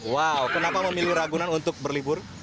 wow kenapa memilih ragunan untuk berlibur